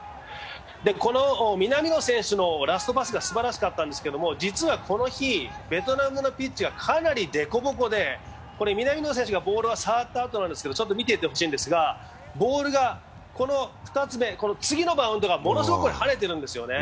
この南野選手のラストパスがすばらしかったんですけど、実はこの日、ベトナムのピッチがかなりデコボコで南野選手がボールを触ったあと見てほしいんですが、ボールが、次のバウンドがものすごく跳ねてるんですよね。